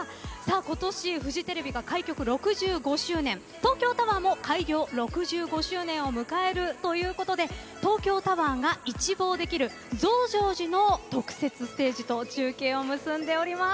今年、フジテレビが開局６５周年東京タワーも開業６５周年を迎えるということで東京タワーが一望できる増上寺の特設ステージと中継を結んでおります。